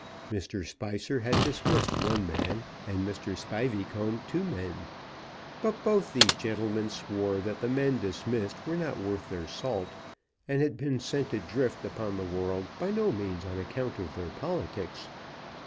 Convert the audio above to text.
Mr. Spicer had dismissed one man and Mr. Spiveycomb two men; but both these gentlemen swore that the men dismissed were not worth their salt, and had been sent adrift upon the world by no means on account of their politics.